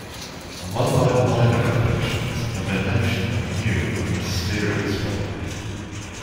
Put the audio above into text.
Among my minor afflictions, I may mention a new and mysterious one.